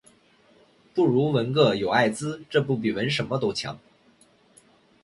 不如纹个“有艾滋”这不比纹什么都强